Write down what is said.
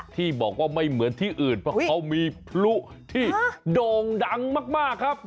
ที่บอกว่าไม่เหมือนที่อื่นเพราะเขามีพลุที่โด่งดังมากครับ